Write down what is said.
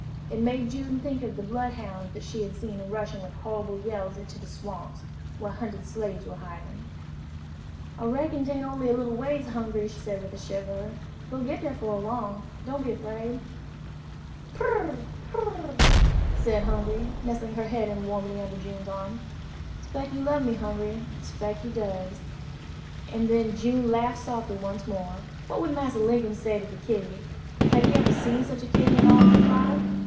It made June think of the bloodhounds that she had seen rushing with horrible yells to the swamps, where hunted slaves were hiding. "I reckon 'tain't on'y little ways, Hungry," she said with a shiver; "we'll git dar 'fore long. Don' be 'fraid." "Pur! pur r r!" said Hungry, nestling her head in warmly under June's arm. "'Spect you lub me, Hungry, 'spect you does!" And then June laughed softly once more. What would Massa Linkum say to the kitty? Had he ever seen such a kitty in all his life?